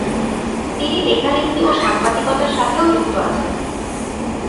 তিনি লেখালেখি ও সাংবাদিকতার সাথেও যুক্ত আছেন।